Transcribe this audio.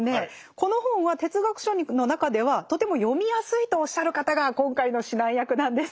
この本は哲学書の中ではとても読みやすいとおっしゃる方が今回の指南役なんです。